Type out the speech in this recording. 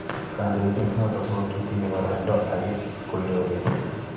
kandoindet noton kotinye baraindo ageng koureren .